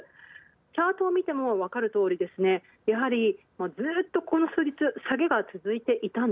チャートを見てもわかるとおり、やはりずっと数日、下げが続いていた。